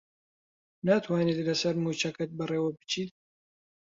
ناتوانیت لەسەر مووچەکەت بەڕێوە بچیت؟